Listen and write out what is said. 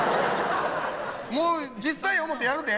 もう実際や思うてやるで？